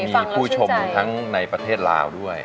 มีผู้ชมทั้งในประเทศลาวด้วย